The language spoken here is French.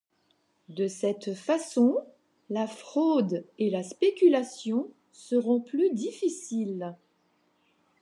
De cette façon, la fraude et la spéculation seront plus difficiles.